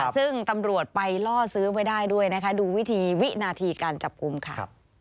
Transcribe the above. ซึ่งตำรวจไปล่อซื้อไว้ได้ด้วยนะคะดูวิธีวินาทีการจับกลุ่มค่ะ